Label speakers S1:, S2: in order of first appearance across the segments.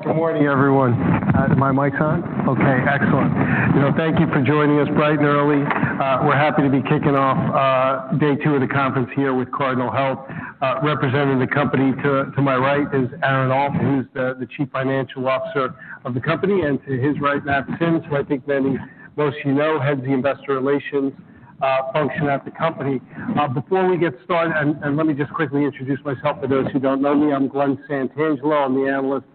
S1: All right. Good morning, everyone. Are my mics on? Okay, excellent. You know, thank you for joining us bright and early. We're happy to be kicking off day two of the conference here with Cardinal Health. Representing the company to my right is Aaron Alt, who's the Chief Financial Officer of the company and to his right, Matt Sims, who I think most of you know, heads the Investor Relations function at the company. Before we get started, let me just quickly introduce myself. For those who don't know me, I'm Glen Santangelo. I'm the analyst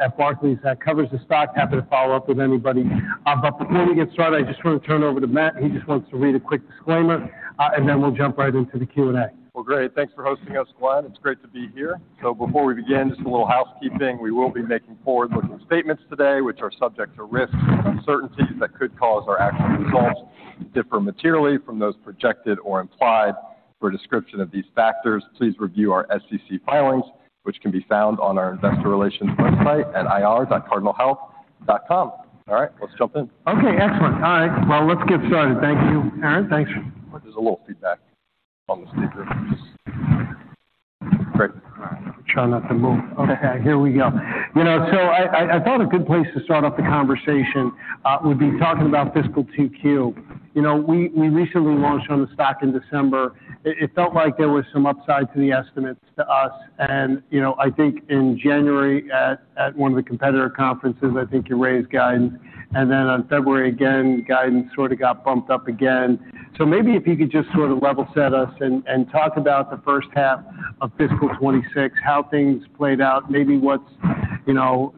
S1: at Barclays that covers the stock. Happy to follow up with anybody. Before we get started, I just want to turn it over to Matt. He just wants to read a quick disclaimer and then we'll jump right into the Q&A.
S2: Well, great. Thanks for hosting us, Glenn. It's great to be here. Before we begin, just a little housekeeping. We will be making forward-looking statements today, which are subject to risks and uncertainties that could cause our actual results to differ materially from those projected or implied. For a description of these factors, please review our SEC filings, which can be found on our investor relations website at ir.cardinalhealth.com. All right, let's jump in.
S1: Okay, excellent. All right. Well, let's get started. Thank you, Aaron. Thanks.
S3: There's a little feedback on the speaker. Great.
S1: Try not to move. Okay, here we go. You know, I thought a good place to start off the conversation would be talking about fiscal 2Q. You know, we recently launched on the stock in December. It felt like there was some upside to the estimates to us. You know, I think in January at one of the competitor conferences, I think you raised guidance. Then on February, again, guidance sort of got bumped up again. Maybe if you could just sort of level set us and talk about the first half of fiscal 2024, how things played out, maybe what's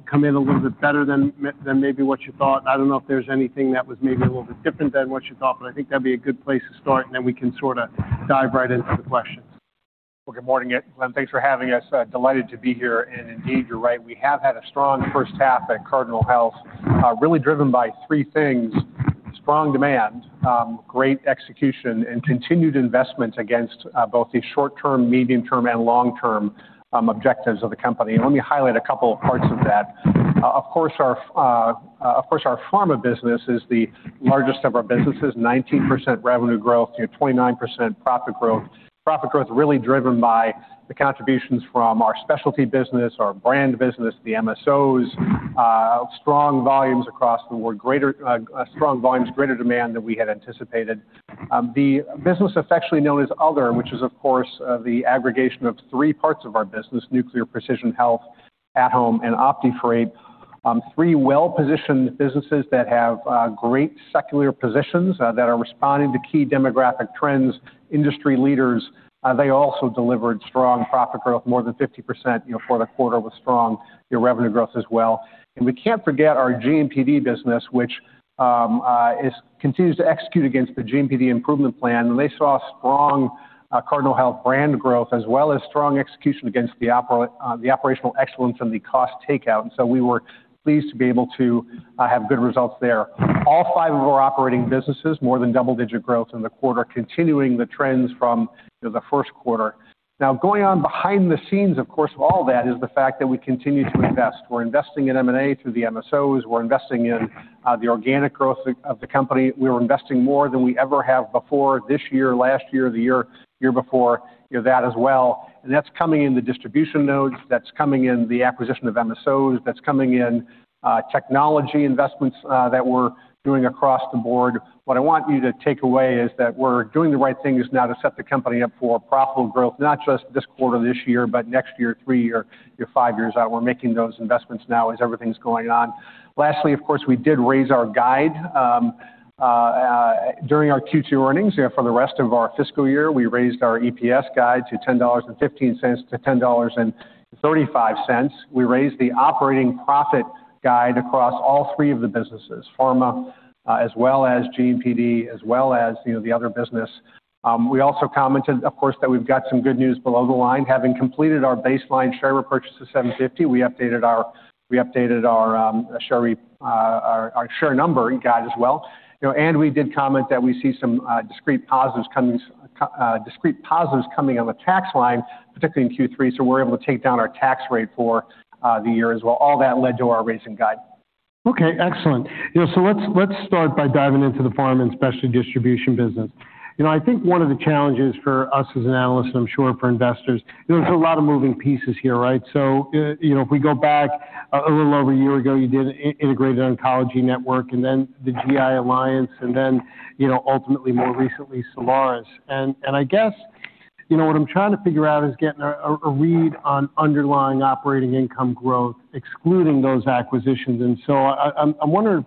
S1: come in a little bit better than maybe what you thought. I don't know if there's anything that was maybe a little bit different than what you thought but I think that'd be a good place to start and then we can sorta dive right into the questions.
S3: Well, good morning, Glenn. Thanks for having us. Delighted to be here. Indeed, you're right. We have had a strong first half at Cardinal Health, really driven by three things, strong demand, great execution and continued investment against both the short-term, medium-term and long-term objectives of the company. Let me highlight a couple of parts of that. Of course, our pharma business is the largest of our businesses, 19% revenue growth, you know, 29% profit growth. Profit growth really driven by the contributions from our specialty business, our brand business, the MSOs, strong volumes across the board, greater demand than we had anticipated. The business affectionately known as Other, which is of course the aggregation of three parts of our business, Nuclear and Precision Health Solutions, At-Home and OptiFreight. Three well-positioned businesses that have great secular positions that are responding to key demographic trends, industry leaders. They also delivered strong profit growth, more than 50%, you know, for the quarter with strong, you know, revenue growth as well. We can't forget our GMPD business, which continues to execute against the GMPD improvement plan. They saw strong Cardinal Health brand growth, as well as strong execution against the operational excellence and the cost takeout. We were pleased to be able to have good results there. All five of our operating businesses, more than double-digit growth in the quarter, continuing the trends from, you know, the first quarter. Now, going on behind the scenes, of course, of all that is the fact that we continue to invest. We're investing in M&A through the MSOs. We're investing in the organic growth of the company. We're investing more than we ever have before this year, last year, the year before, you know, that as well. That's coming in the distribution nodes. That's coming in the acquisition of MSOs. That's coming in technology investments that we're doing across the board. What I want you to take away is that we're doing the right things now to set the company up for profitable growth, not just this quarter, this year but next year, three year, you know, five years out. We're making those investments now as everything's going on. Lastly, of course, we did raise our guide during our Q2 earnings. You know, for the rest of our fiscal year, we raised our EPS guide to $10.15-$10.35. We raised the operating profit guide across all three of the businesses, pharma, as well as GMPD, as well as the other business. We also commented, of course, that we've got some good news below the line. Having completed our baseline share repurchase of $750 million, we updated our share number guide as well. We did comment that we see some discrete positives coming on the tax line, particularly in Q3, so we're able to take down our tax rate for the year as well. All that led to our raising guide.
S1: Okay, excellent. You know, so let's start by diving into the pharma and specialty distribution business. You know, I think one of the challenges for us as an analyst and I'm sure for investors, there's a lot of moving pieces here, right? You know, if we go back a little over a year ago, you did Integrated Oncology Network and then the GI Alliance and then, you know, ultimately more recently, Solaris Health. I guess, you know, what I'm trying to figure out is getting a read on underlying operating income growth, excluding those acquisitions. I'm wondering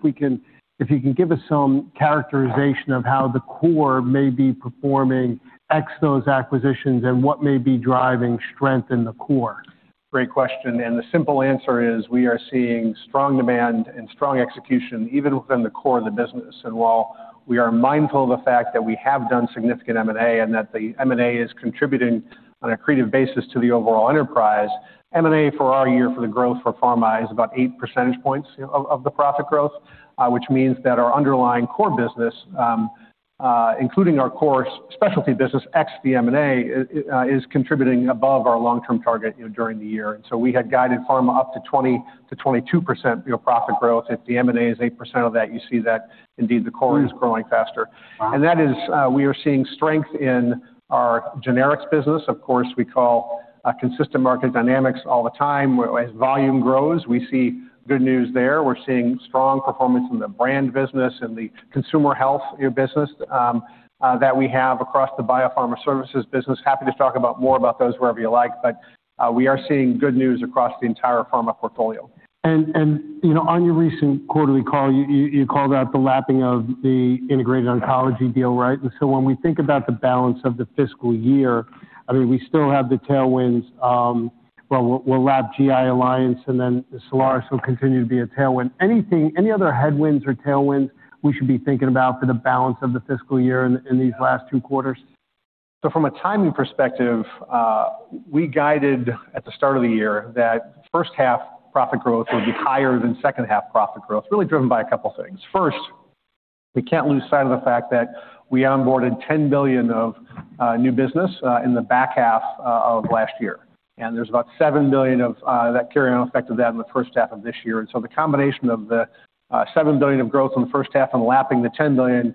S1: if you can give us some characterization of how the core may be performing ex those acquisitions and what may be driving strength in the core.
S3: Great question. The simple answer is we are seeing strong demand and strong execution even within the core of the business. While we are mindful of the fact that we have done significant M&A and that the M&A is contributing on an accretive basis to the overall enterprise, M&A for our year for the growth for pharma is about 8 percentage points, you know, of the profit growth, which means that our underlying core business, including our core specialty business ex the M&A, is contributing above our long-term target, you know, during the year. We had guided pharma up to 20%-22%, you know, profit growth. If the M&A is 8% of that, you see that indeed the core is growing faster. That is, we are seeing strength in our generics business. Of course, we see consistent market dynamics all the time, whereas volume grows, we see good news there. We're seeing strong performance in the brand business and the consumer health business that we have across the Biopharma services business. Happy to talk more about those wherever you like but we are seeing good news across the entire pharma portfolio.
S1: You know, on your recent quarterly call, you called out the lapping of the Integrated Oncology Network deal, right? When we think about the balance of the fiscal year, I mean, we still have the tailwinds. Well, we'll lap GI Alliance and then Solaris Health will continue to be a tailwind. Any other headwinds or tailwinds we should be thinking about for the balance of the fiscal year in these last two quarters?
S3: From a timing perspective, we guided at the start of the year that first half profit growth would be higher than second half profit growth, really driven by a couple of things. First, we can't lose sight of the fact that we onboarded $10 billion of new business in the back half of last year. There's about $7 billion of that carryover effect of that in the first half of this year. The combination of the $7 billion of growth in the first half and lapping the $10 billion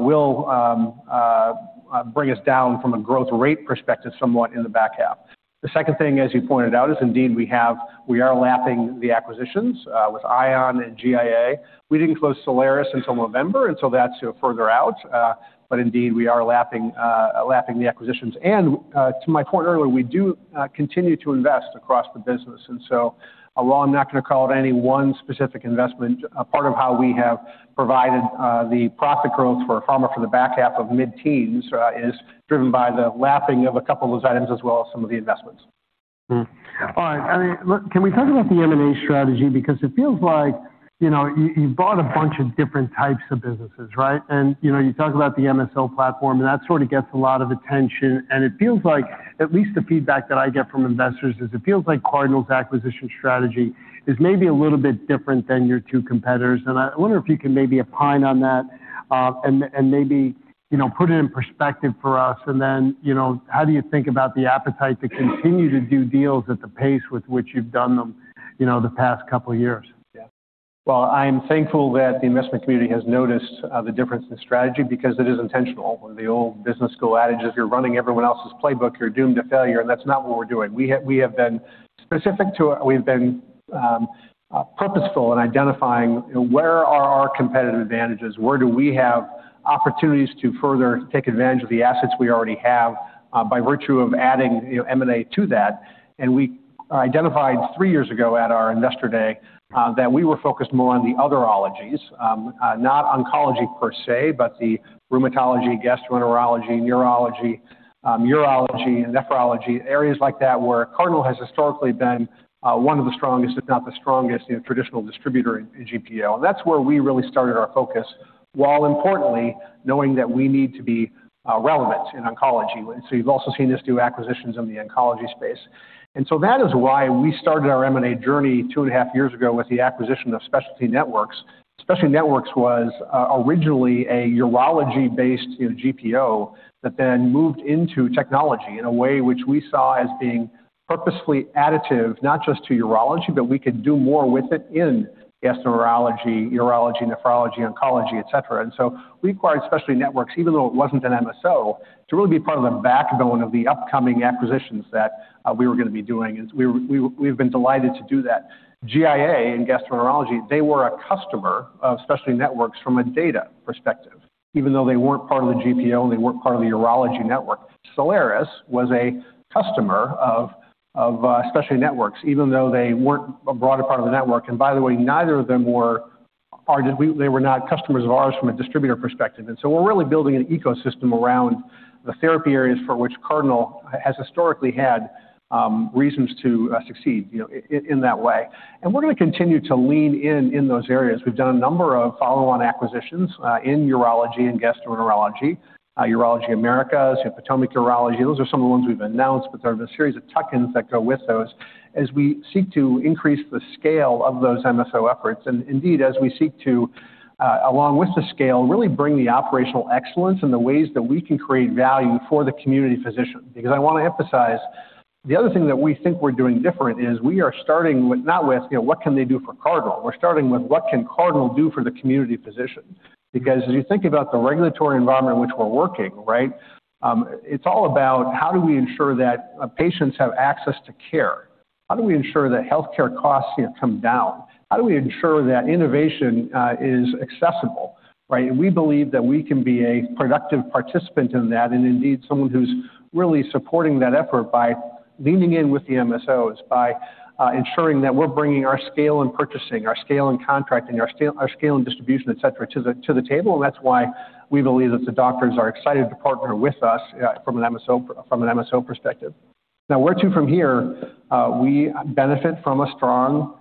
S3: will bring us down from a growth rate perspective somewhat in the back half. The second thing, as you pointed out, is indeed we are lapping the acquisitions with ION and GIA. We didn't close Solaris Health until November and that's further out. Indeed, we are lapping the acquisitions. To my point earlier, we do continue to invest across the business. While I'm not gonna call it any one specific investment, a part of how we have provided the profit growth for pharma for the back half of mid-teens is driven by the lapping of a couple of those items as well as some of the investments.
S1: All right. I mean, look, can we talk about the M&A strategy? Because it feels like, you know, you bought a bunch of different types of businesses, right? And, you know, you talk about the MSO platform, and that sort of gets a lot of attention. And it feels like, at least the feedback that I get from investors, is it feels like Cardinal's acquisition strategy is maybe a little bit different than your two competitors. And I wonder if you can maybe opine on that and maybe, you know, put it in perspective for us. And then, you know, how do you think about the appetite to continue to do deals at the pace with which you've done them, you know, the past couple of years?
S3: Well, I'm thankful that the investment community has noticed the difference in strategy because it is intentional. The old business school adage, if you're running everyone else's playbook, you're doomed to failure and that's not what we're doing. We've been purposeful in identifying where are our competitive advantages, where do we have opportunities to further take advantage of the assets we already have, by virtue of adding, you know, M&A to that. We identified three years ago at our investor day that we were focused more on the other ologies, not oncology per se but the rheumatology, gastroenterology, neurology, urology, nephrology, areas like that, where Cardinal has historically been one of the strongest, if not the strongest, you know, traditional distributor in GPO. That's where we really started our focus, while importantly knowing that we need to be relevant in oncology. You've also seen us do acquisitions in the oncology space. That is why we started our M&A journey two and a half years ago with the acquisition of Specialty Networks. Specialty Networks was originally a urology-based, you know, GPO that then moved into technology in a way which we saw as being purposefully additive, not just to urology but we could do more with it in gastroenterology, urology, nephrology, oncology, et cetera. We acquired Specialty Networks, even though it wasn't an MSO, to really be part of the backbone of the upcoming acquisitions that we were gonna be doing. We've been delighted to do that. GIA, in gastroenterology, they were a customer of Specialty Networks from a data perspective, even though they weren't part of the GPO and they weren't part of the urology network. Solaris was a customer of Specialty Networks, even though they weren't a broader part of the network. By the way, neither of them were. They were not customers of ours from a distributor perspective. We're really building an ecosystem around the therapy areas for which Cardinal has historically had reasons to succeed, you know, in that way. We're gonna continue to lean in in those areas. We've done a number of follow-on acquisitions in urology and gastroenterology, Urology America, you have Potomac Urology. Those are some of the ones we've announced but there's a series of tuck-ins that go with those as we seek to increase the scale of those MSO efforts. Indeed, as we seek to along with the scale, really bring the operational excellence and the ways that we can create value for the community physician. Because I wanna emphasize, the other thing that we think we're doing different is we are starting with not with, you know, what can they do for Cardinal. We're starting with what can Cardinal do for the community physician. Because as you think about the regulatory environment in which we're working, right, it's all about how do we ensure that patients have access to care? How do we ensure that healthcare costs, you know, come down? How do we ensure that innovation is accessible, right? We believe that we can be a productive participant in that and indeed, someone who's really supporting that effort by leaning in with the MSOs, by ensuring that we're bringing our scale in purchasing, our scale in contracting, our scale in distribution, et cetera, to the table. That's why we believe that the doctors are excited to partner with us from an MSO perspective. Now, where to from here, we benefit from a strong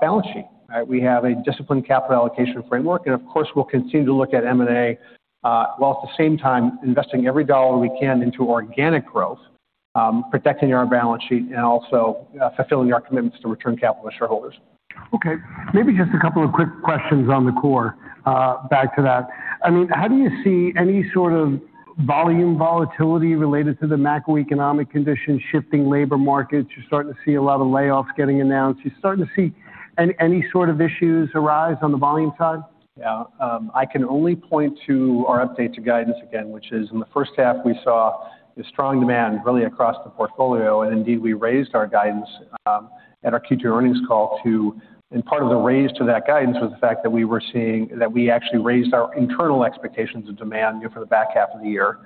S3: balance sheet, right? We have a disciplined capital allocation framework and of course, we'll continue to look at M&A while at the same time investing every dollar we can into organic growth, protecting our own balance sheet and also fulfilling our commitments to return capital to shareholders.
S1: Okay. Maybe just a couple of quick questions on the core, back to that. I mean, how do you see any sort of volume volatility related to the macroeconomic conditions, shifting labor markets? You're starting to see a lot of layoffs getting announced. You're starting to see any sort of issues arise on the volume side?
S3: Yeah, I can only point to our update to guidance again, which is in the first half. We saw a strong demand really across the portfolio and indeed, we raised our guidance at our Q2 earnings call and part of the raise to that guidance was the fact that we actually raised our internal expectations of demand, you know, for the back half of the year.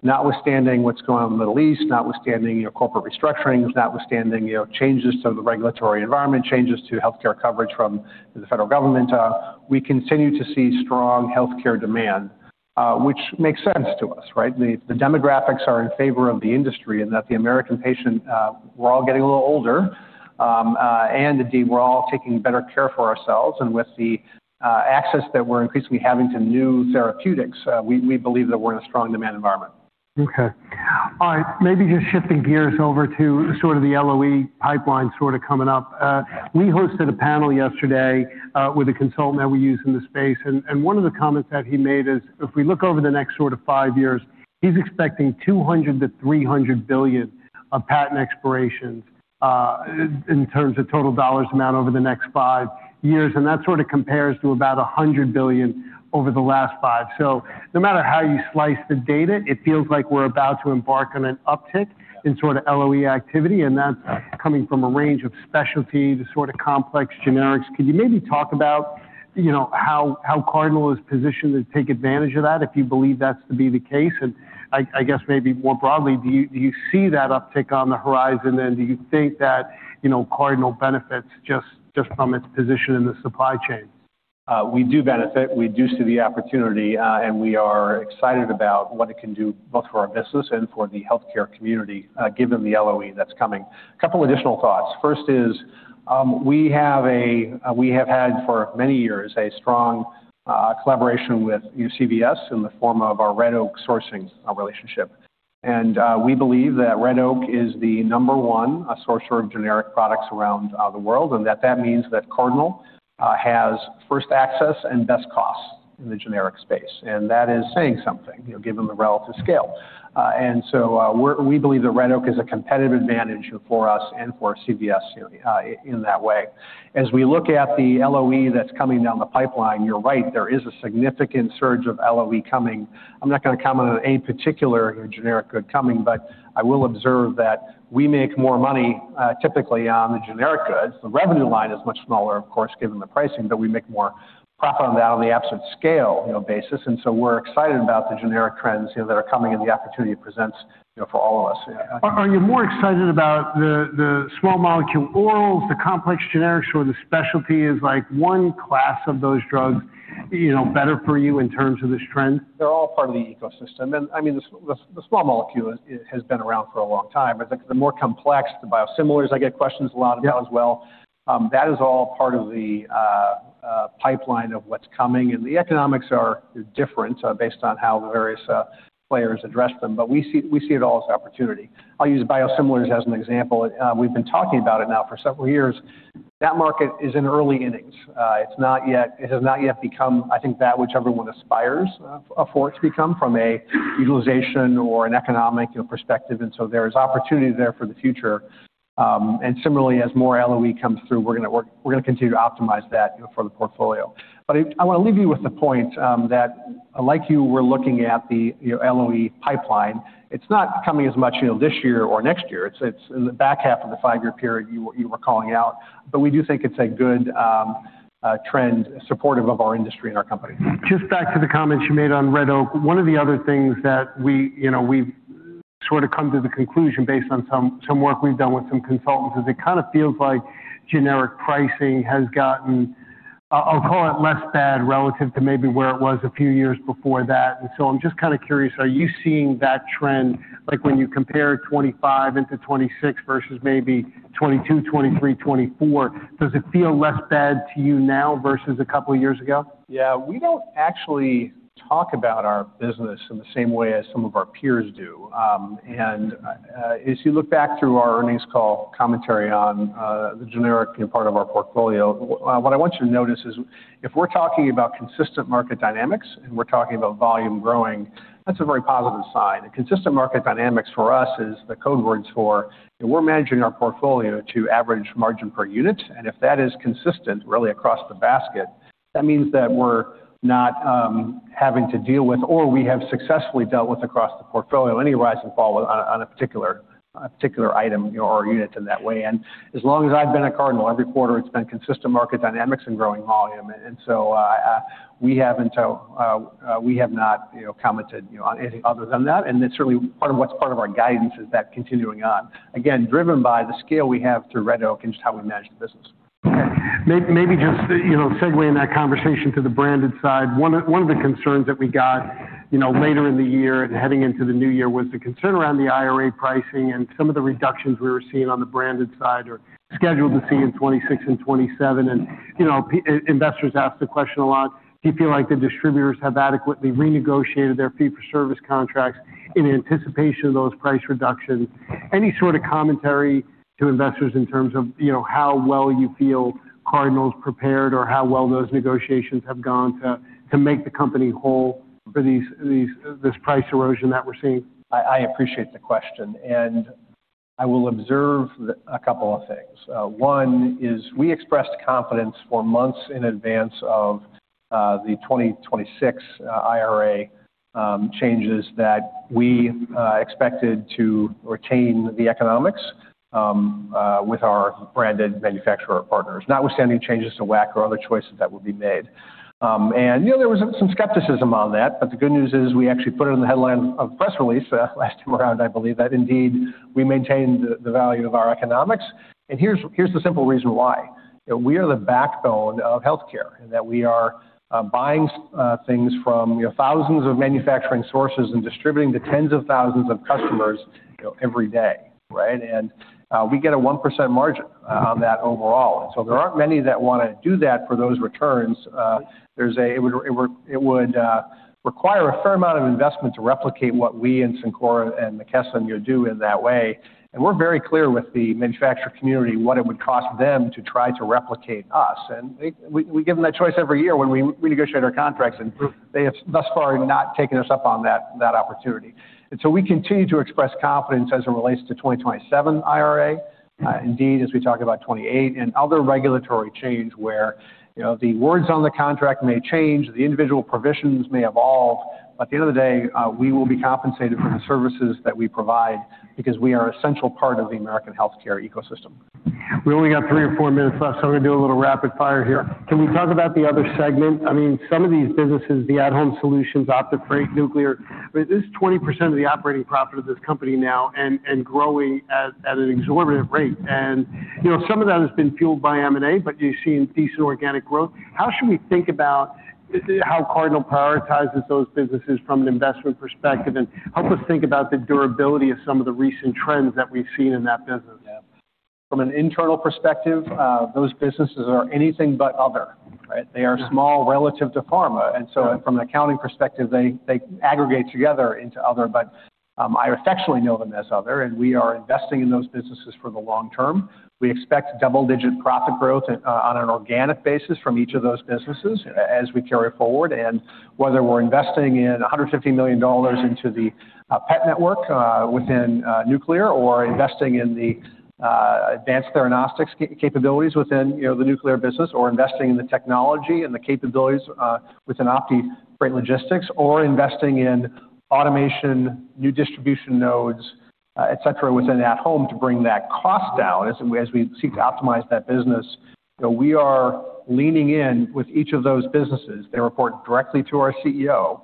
S3: Notwithstanding what's going on in the Middle East, notwithstanding, you know, corporate restructurings, notwithstanding, you know, changes to the regulatory environment, changes to healthcare coverage from the federal government, we continue to see strong healthcare demand, which makes sense to us, right? The demographics are in favor of the industry and that the American patient, we're all getting a little older and indeed, we're all taking better care for ourselves. With the access that we're increasingly having to new therapeutics, we believe that we're in a strong demand environment.
S1: Okay. All right. Maybe just shifting gears over to sort of the LOE pipeline sort of coming up. We hosted a panel yesterday with a consultant that we use in the space and one of the comments that he made is, if we look over the next sort of five years, he's expecting $200 billion-$300 billion of patent expirations in terms of total dollar amount over the next five years. That sort of compares to about $100 billion over the last five. No matter how you slice the data, it feels like we're about to embark on an uptick in sort of LOE activity and that's coming from a range of specialty to sort of complex generics. Could you maybe talk about, you know, how Cardinal is positioned to take advantage of that, if you believe that's to be the case? I guess maybe more broadly, do you see that uptick on the horizon then? Do you think that, you know, Cardinal benefits just from its position in the supply chain?
S3: We do benefit. We do see the opportunity and we are excited about what it can do both for our business and for the healthcare community, given the LOE that's coming. A couple additional thoughts. First is, we have had for many years, a strong collaboration with CVS in the form of our Red Oak Sourcing relationship. We believe that Red Oak is the number one sourcer of generic products around the world and that means that Cardinal has first access and best costs in the generic space. That is saying something, you know, given the relative scale. We believe that Red Oak is a competitive advantage for us and for CVS in that way. As we look at the LOE that's coming down the pipeline, you're right, there is a significant surge of LOE coming. I'm not gonna comment on any particular generic good coming but I will observe that we make more money, typically on the generic goods. The revenue line is much smaller, of course, given the pricing but we make more profit on that on the absolute scale, you know, basis. We're excited about the generic trends, you know, that are coming and the opportunity it presents, you know, for all of us.
S1: Are you more excited about the small molecule orals, the complex generics or the specialty? Is like one class of those drugs, you know, better for you in terms of this trend?
S3: They're all part of the ecosystem. I mean, the small molecule has been around for a long time. I think the more complex, the biosimilars, I get questions a lot about as well. That is all part of the pipeline of what's coming and the economics are different based on how the various players address them. We see it all as opportunity. I'll use biosimilars as an example. We've been talking about it now for several years. That market is in early innings. It has not yet become, I think, that which everyone aspires for it to become from a utilization or an economic, you know, perspective. There's opportunity there for the future. Similarly, as more LOE comes through, we're gonna continue to optimize that, you know, for the portfolio. But I wanna leave you with the point that like you were looking at the, you know, LOE pipeline, it's not coming as much, you know, this year or next year. It's in the back half of the five-year period you were calling out. But we do think it's a good trend supportive of our industry and our company.
S1: Just back to the comments you made on Red Oak. One of the other things that we, you know, we've sort of come to the conclusion based on some work we've done with some consultants, is it kind of feels like generic pricing has gotten, I'll call it less bad relative to maybe where it was a few years before that. I'm just kind of curious, are you seeing that trend, like when you compare 2025 into 2026 versus maybe 2022, 2023, 2024? Does it feel less bad to you now versus a couple of years ago?
S3: Yeah. We don't actually talk about our business in the same way as some of our peers do. As you look back through our earnings call commentary on the generic, you know, part of our portfolio, what I want you to notice is if we're talking about consistent market dynamics and we're talking about volume growing, that's a very positive sign. Consistent market dynamics for us is the code words for, you know, we're managing our portfolio to average margin per unit. If that is consistent really across the basket, that means that we're not having to deal with or we have successfully dealt with across the portfolio any rise and fall on a particular item or unit in that way. As long as I've been at Cardinal, every quarter it's been consistent market dynamics and growing volume. We have not, you know, commented, you know, on anything other than that. It's really part of our guidance is that continuing on. Again, driven by the scale we have through Red Oak and just how we manage the business.
S1: Maybe just, you know, segue in that conversation to the branded side. One of the concerns that we got, you know, later in the year and heading into the new year was the concern around the IRA pricing and some of the reductions we were seeing on the branded side or scheduled to see in 2026 and 2027. You know, investors ask the question a lot, do you feel like the distributors have adequately renegotiated their fee for service contracts in anticipation of those price reductions? Any sort of commentary to investors in terms of, you know, how well you feel Cardinal's prepared or how well those negotiations have gone to make the company whole for this price erosion that we're seeing?
S3: I appreciate the question and I will observe a couple of things. One is we expressed confidence for months in advance of the 2026 IRA changes that we expected to retain the economics with our branded manufacturer partners, notwithstanding changes to WAC or other choices that would be made. You know, there was some skepticism on that but the good news is we actually put it in the headline of press release last time around. I believe that indeed we maintained the value of our economics. Here's the simple reason why. We are the backbone of healthcare and that we are buying things from, you know, thousands of manufacturing sources and distributing to tens of thousands of customers, you know, every day, right? We get a 1% margin on that overall. There aren't many that wanna do that for those returns. It would require a fair amount of investment to replicate what we and Cencora and McKesson, you know, do in that way. We're very clear with the manufacturer community what it would cost them to try to replicate us. We give them that choice every year when we negotiate our contracts and they have thus far not taken us up on that opportunity. We continue to express confidence as it relates to 2027 IRA. Indeed, as we talk about 28 and other regulatory change where, you know, the words on the contract may change, the individual provisions may evolve, at the end of the day, we will be compensated for the services that we provide because we are an essential part of the American healthcare ecosystem.
S1: We only got three or four minutes left, so I'm gonna do a little rapid fire here. Can we talk about the other segment? I mean, some of these businesses, the at-Home Solutions, OptiFreight, Nuclear, I mean, this is 20% of the operating profit of this company now and growing at an exorbitant rate. You know, some of that has been fueled by M&A but you're seeing decent organic growth. How should we think about how Cardinal prioritizes those businesses from an investment perspective? Help us think about the durability of some of the recent trends that we've seen in that business.
S3: From an internal perspective, those businesses are anything but other, right? They are small relative to pharma and so from an accounting perspective, they aggregate together into other. I affectionately know them as other and we are investing in those businesses for the long term. We expect double-digit profit growth on an organic basis from each of those businesses as we carry it forward. Whether we're investing in $150 million into the PET network within nuclear or investing in the advanced theranostics capabilities within, you know, the nuclear business or investing in the technology and the capabilities within OptiFreight Logistics or investing in automation, new distribution nodes, et cetera, within at-Home to bring that cost down as we seek to optimize that business, you know, we are leaning in with each of those businesses. They report directly to our CEO.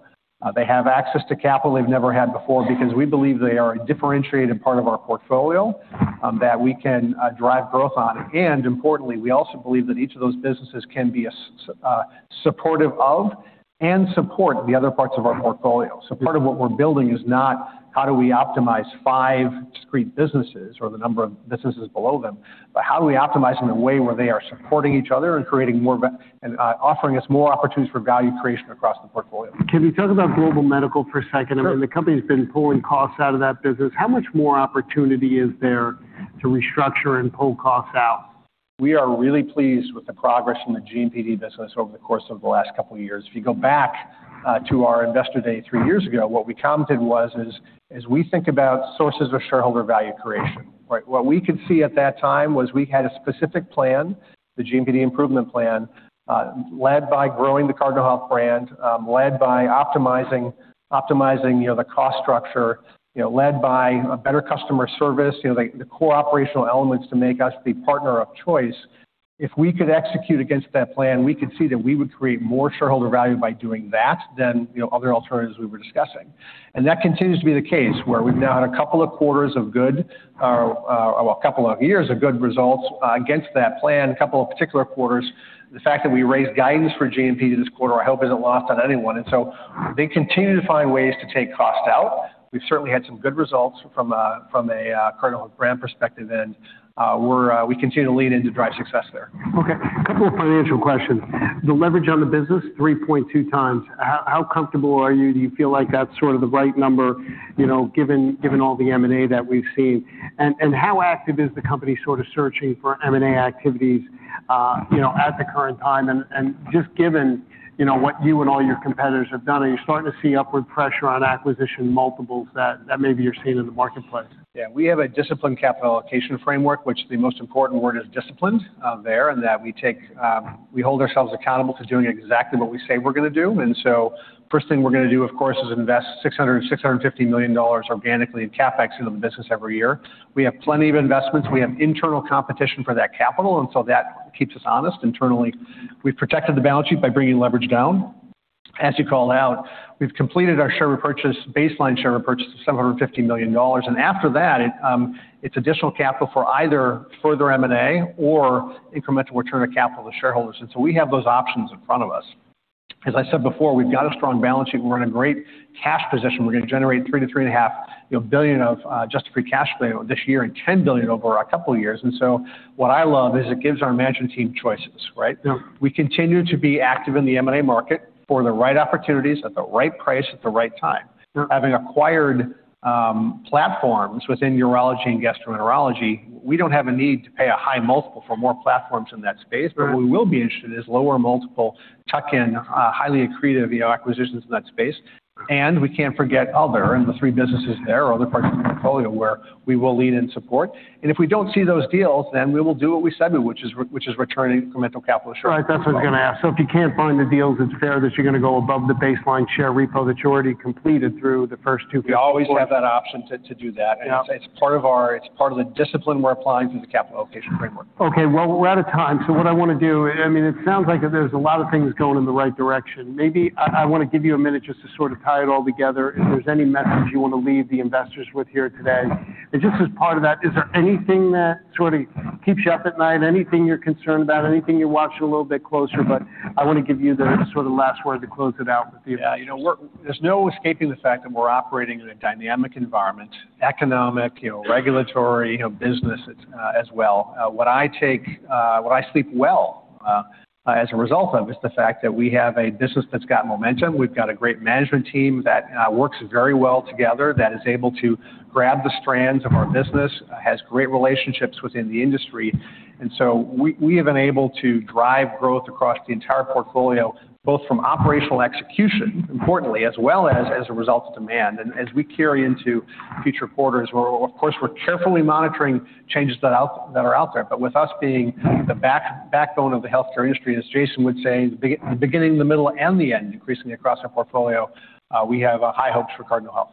S3: They have access to capital they've never had before because we believe they are a differentiated part of our portfolio that we can drive growth on. Importantly, we also believe that each of those businesses can be supportive of and support the other parts of our portfolio. Part of what we're building is not how do we optimize five discrete businesses or the number of businesses below them but how do we optimize them in a way where they are supporting each other and creating more and offering us more opportunities for value creation across the portfolio.
S1: Can we talk about Global Medical for a second? I mean, the company's been pulling costs out of that business. How much more opportunity is there to restructure and pull costs out?
S3: We are really pleased with the progress in the GMP business over the course of the last couple of years. If you go back to our investor day three years ago, what we commented was, as we think about sources of shareholder value creation, right? What we could see at that time was we had a specific plan, the GMP improvement plan, led by growing the Cardinal Health brand, led by optimizing the cost structure, you know, led by a better customer service. You know, the core operational elements to make us the partner of choice. If we could execute against that plan, we could see that we would create more shareholder value by doing that than other alternatives we were discussing. That continues to be the case, where we've now had a couple of quarters of good, well, a couple of years of good results against that plan, a couple of particular quarters. The fact that we raised guidance for GMP this quarter, I hope isn't lost on anyone. They continue to find ways to take cost out. We've certainly had some good results from a Cardinal brand perspective and we continue to lean in to drive success there.
S1: Okay. A couple of financial questions. The leverage on the business, 3.2x. How comfortable are you? Do you feel like that's sort of the right number, you know, given all the M&A that we've seen? How active is the company sort of searching for M&A activities, you know, at the current time? Just given, you know, what you and all your competitors have done, are you starting to see upward pressure on acquisition multiples that maybe you're seeing in the marketplace?
S3: Yeah. We have a disciplined capital allocation framework, which the most important word is disciplined and we hold ourselves accountable to doing exactly what we say we're gonna do. First thing we're gonna do, of course, is invest $600 million-$650 million organically in CapEx into the business every year. We have plenty of investments. We have internal competition for that capital and that keeps us honest internally. We've protected the balance sheet by bringing leverage down. As you called out, we've completed our baseline share repurchase of $750 million. After that, it's additional capital for either further M&A or incremental return of capital to shareholders. We have those options in front of us. As I said before, we've got a strong balance sheet. We're in a great cash position. We're gonna generate $3 billion-$3.5 billion, you know, of adjusted free cash flow this year and $10 billion over a couple of years. What I love is it gives our management team choices, right? We continue to be active in the M&A market for the right opportunities at the right price at the right time. Having acquired platforms within urology and gastroenterology, we don't have a need to pay a high multiple for more platforms in that space. What we will be interested is lower multiple, tuck-in, highly accretive, you know, acquisitions in that space. We can't forget other and the three businesses there or other parts of the portfolio where we will lead and support. If we don't see those deals, then we will do what we said, which is return incremental capital to shareholders.
S1: Right. That's what I was gonna ask. If you can't find the deals, it's fair that you're gonna go above the baseline share repo that you already completed through the first two.
S3: We always have that option to do that. It's part of the discipline we're applying through the capital allocation framework.
S1: Okay, well, we're out of time. What I wanna do, I mean, it sounds like there's a lot of things going in the right direction. Maybe I wanna give you a minute just to sort of tie it all together. If there's any message you wanna leave the investors with here today. Just as part of that, is there anything that sort of keeps you up at night? Anything you're concerned about? Anything you're watching a little bit closer about? I wanna give you the sort of last word to close it out with you.
S3: Yeah. You know, there's no escaping the fact that we're operating in a dynamic environment, economic, you know, regulatory, you know, business, it's as well. What I sleep well as a result of is the fact that we have a business that's got momentum. We've got a great management team that works very well together, that is able to grab the strands of our business, has great relationships within the industry. We have been able to drive growth across the entire portfolio, both from operational execution, importantly, as well as a result of demand. As we carry into future quarters, we're of course carefully monitoring changes that are out there. With us being the backbone of the healthcare industry, as Jason would say, the beginning, the middle, and the end, increasingly across our portfolio, we have high hopes for Cardinal Health.